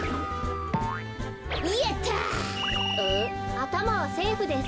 あたまはセーフです。